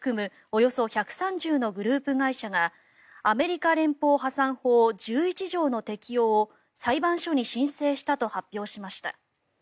およそ１３０のグループ会社がアメリカ連邦破産法１１条の適用を裁判所に申請したと発表しました。